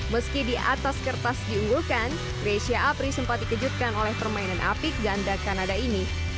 meski di atas kertas diunggulkan grecia apri sempat dikejutkan oleh permainan apik ganda kanada ini